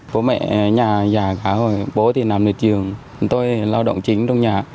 bố mẹ nhà già khá rồi bố thì nằm nơi trường tôi là lao động chính trong nhà